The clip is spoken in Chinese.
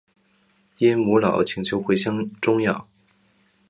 因母老请求回乡终养。